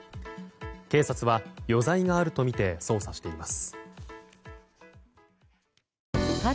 警察は余罪があるとみて捜査しています。